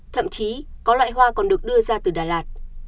thậm chí có loại hoa còn được đưa ra từ đà lạt